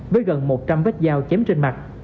với gần một trăm linh vết dao chém trên mặt